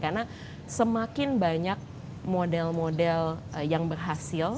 karena semakin banyak model model yang berhasil